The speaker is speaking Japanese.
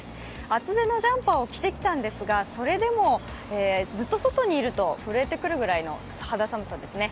厚手のジャンパーを着てきたんですが、それでもずっと外にいると震えてくるくらいの肌寒さですね。